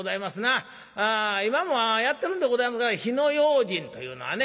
今もやってるんでございますが火の用心というのはね